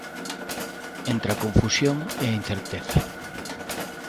Entre a confusión e a incerteza.